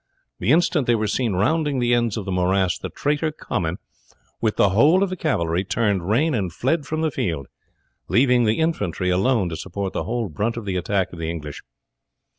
The instant they were seen rounding the ends of the morass, the traitor Comyn, with the whole of the cavalry, turned rein and fled from the field, leaving the infantry alone to support the whole brunt of the attack of the English.